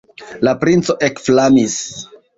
La princo ekflamis.